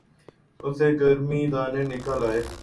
اسے گرمی دانے نکل آئے